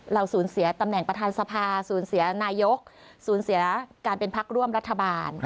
สูญเสียตำแหน่งประธานสภาสูญเสียนายกสูญเสียการเป็นพักร่วมรัฐบาล